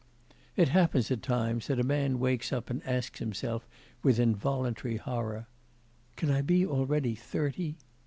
It happens at times that a man wakes up and asks himself with involuntary horror, 'Can I be already thirty